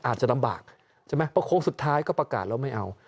อาจจะลำบากใช่ไหมเพราะโค้งสุดท้ายก็ประกาศแล้วไม่เอา